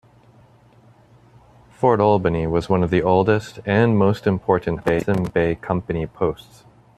Fort Albany was one of the oldest and most important Hudson's Bay Company posts.